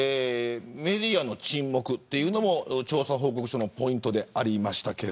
メディアの沈黙というのも調査報告書のポイントでありました。